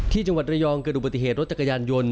ที่จังหวัดระยองเกิดอุบัติเหตุรถจักรยานยนต์